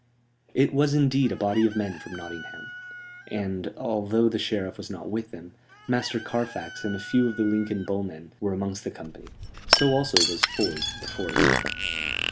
It was indeed a body of men from Nottingham; and, although the Sheriff was not with them, Master Carfax and a few of the Lincoln bowmen were amongst the company. So also was Ford, the forester.